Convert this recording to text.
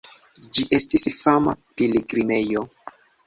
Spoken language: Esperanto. Ĝi estis fama pilgrimejo.